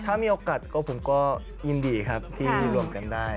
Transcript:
ถ้ามีโอกาสก็ผมก็ยินดีครับที่รวมกันได้